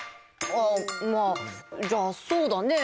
あっまあじゃあそうだね。